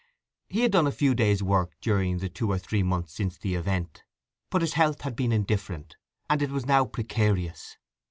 He had done a few days' work during the two or three months since the event, but his health had been indifferent, and it was now precarious.